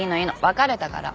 別れたから。